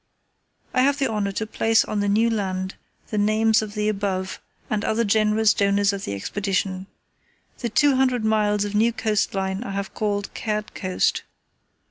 I have the honour to place on the new land the names of the above and other generous donors to the Expedition. The two hundred miles of new coast line I have called Caird Coast.